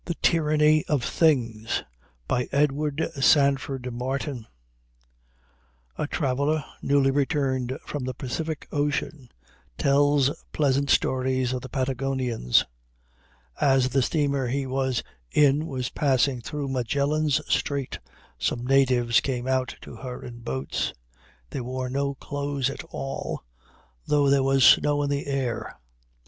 ] THE TYRANNY OF THINGS EDWARD SANDFORD MARTIN A traveler newly returned from the Pacific Ocean tells pleasant stories of the Patagonians. As the steamer he was in was passing through Magellan's Straits some natives came out to her in boats. They wore no clothes at all, though there was snow in the air.